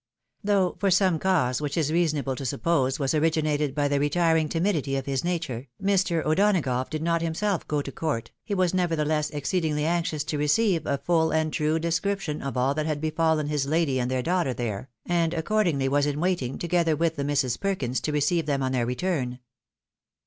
Though, for some cause, which it is reasonable to suppose was originated by the retiring timidity of his nature, Mr. O'Dona gough did not himself go to coiirt, he was nevertheless exceed ingly anxious to receive a full and true description of all that had befallen his lady and their daughter there, and accordingly was in waiting, together with the Misses Perkins, to receive them on their return.